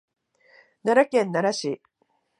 奈良県奈良市